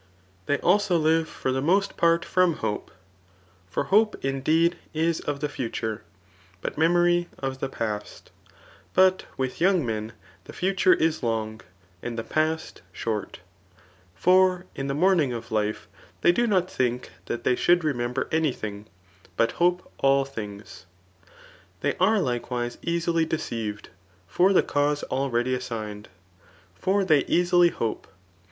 They also live ibr the most part from hope; for hope indeed is of , the future, but memory of the past; but with youiig nwn the future is long, and the past short. For in the iffRyi^ ing of life they do not think that they should renueodber CHAP. xir. ARlTOaiO# 147 any thiDg, bttt hi^ all thbigt« They are likewm easily deeaved for the cause already aseigned } for they easily hope.